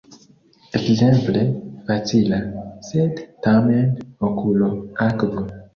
Ekzemple: "facila, sed, tamen, okulo, akvo".